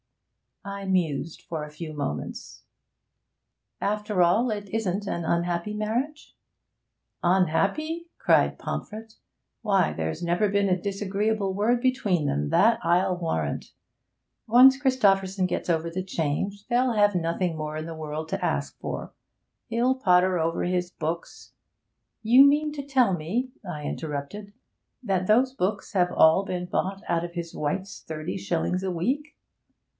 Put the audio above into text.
I mused for a few moments. 'After all, it isn't an unhappy marriage?' 'Unhappy?' cried Pomfret. 'Why, there's never been a disagreeable word between them, that I'll warrant. Once Christopherson gets over the change, they'll have nothing more in the world to ask for. He'll potter over his books ' 'You mean to tell me,' I interrupted, 'that those books have all been bought out of his wife's thirty shillings a week?'